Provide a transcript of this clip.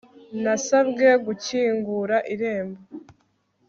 Nasabwe gukingura irembo